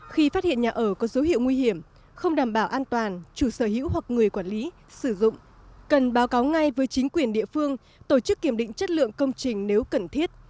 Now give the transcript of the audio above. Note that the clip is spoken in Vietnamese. khi phát hiện nhà ở có dấu hiệu nguy hiểm không đảm bảo an toàn chủ sở hữu hoặc người quản lý sử dụng cần báo cáo ngay với chính quyền địa phương tổ chức kiểm định chất lượng công trình nếu cần thiết